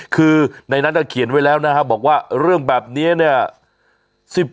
คือในนั้นเขียนไว้แล้วนะครับบอกว่าเรื่องแบบนี้เนี่ย